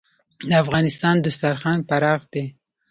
د افغانستان دسترخان پراخ دی